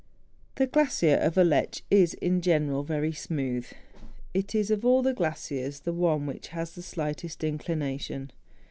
The glacier of Aletsch is, in general, very smooth; it is of all the glaciers the one which has the slightest inclination.